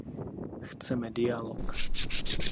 Chceme dialog.